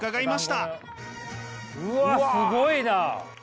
うわすごいな！